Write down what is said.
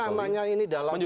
ya namanya ini dalam kondisi